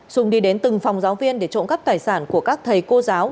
sung đi đến từng phòng giáo viên để trộm cắt tài sản của các thầy cô giáo